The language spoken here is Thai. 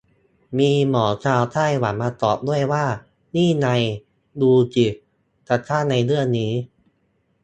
มีหมอชาวไต้หวันมาตอบด้วยว่า นี่ไงดูสิ กระทั่งในเรื่องนี้